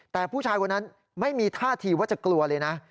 แต่ผู้ชายคนนั้นไม่มีท่าทีว่าจะกลัวเลยนะ